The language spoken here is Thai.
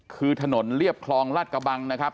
คือถนนเรียบคลองราชกระบังนะครับ